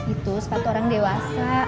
itu sepatu orang dewasa